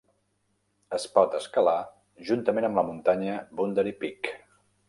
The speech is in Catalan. Es pot escalar juntament amb la muntanya Boundary Peak.